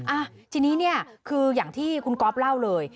อ่ะทีนี้เนี่ยคืออย่างที่คุณก๊อฟเล่าเลย